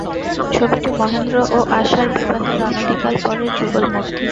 ছবিটি মহেন্দ্র ও আশার বিবাহের অনতিকাল পরের যুগলমূর্তি।